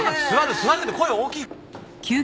座るけど声大きい。